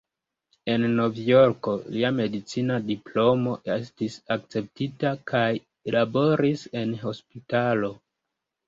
En Novjorko lia medicina diplomo estis akceptita kaj laboris en hospitalo.